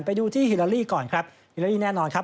ไปดูที่ฮิลาลีก่อนครับฮิลาลีแน่นอนครับ